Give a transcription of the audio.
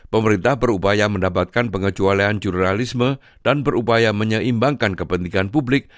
pemerintah berupaya mendapatkan pengecualian jurnalisme dan berupaya menyeimbangkan kepentingan publik